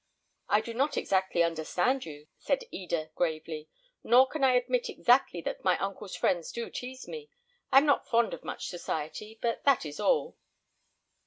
"I do not exactly understand you," said Eda, gravely, "nor can I admit exactly that my uncle's friends do tease me. I am not fond of much society, but that is all."